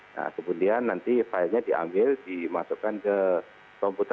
nah kemudian nanti filenya diambil dimasukkan ke komputer